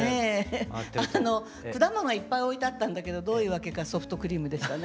果物いっぱい置いてあったんだけどどういうわけかソフトクリームでしたね。